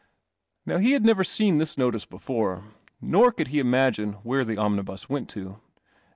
Now he had never seen this notice before, nor could he imagine where the omnibus went to.